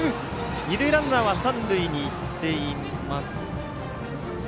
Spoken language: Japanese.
二塁ランナーは三塁へ行っています。